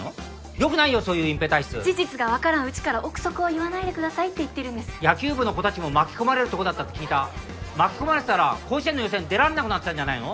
よくないよそういう隠蔽体質事実が分からんうちから臆測を言わないでくださいって言ってるんです野球部の子達も巻き込まれるとこだったと聞いた巻き込まれてたら甲子園の予選出られなくなってたんじゃないの？